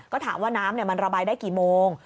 ก็ถามว่าน้ำมันระบายได้กี่โมง